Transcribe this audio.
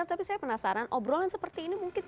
tapi saya penasaran obrolan seperti ini mungkin